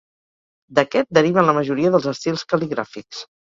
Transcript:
D'aquest, deriven la majoria dels estils cal·ligràfics.